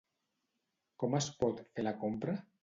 Com es pot fer la compra?